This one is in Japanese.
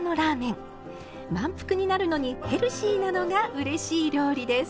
満腹になるのにヘルシーなのがうれしい料理です。